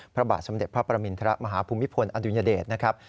พระบาทสมเด็จพระประมินทรมาฮภูมิพลอดุญเดชนะครับ